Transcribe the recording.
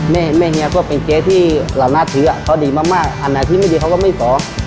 แม่แม่เฮียก็เป็นเจ๊ที่เราน่าถือเขาดีมากอันไหนที่ไม่ดีเขาก็ไม่ขอ